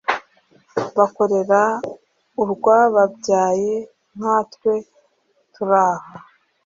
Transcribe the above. bakorera urwababyaye nkatwe turaha